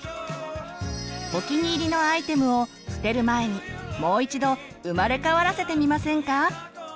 お気に入りのアイテムを捨てる前にもう一度生まれ変わらせてみませんか！